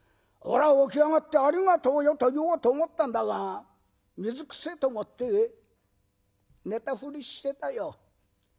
俺は起き上がって『ありがとうよ』と言おうと思ったんだが水くせえと思って寝たふりしてたよ。